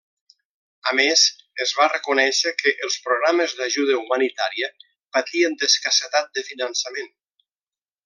A més, es va reconèixer que els programes d'ajuda humanitària patien d'escassetat de finançament.